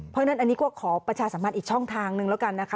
เพราะฉะนั้นอันนี้ก็ขอประชาสัมพันธ์อีกช่องทางนึงแล้วกันนะคะ